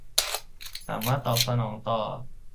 สามารถตอบสนองต่อ